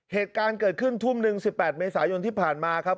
เหตุการณ์เกิดขึ้นทุ่มหนึ่ง๑๘เมษายนที่ผ่านมาครับ